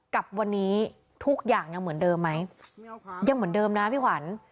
กับวันนี้ทุกอย่างยังเหมือนเดิมมั้ย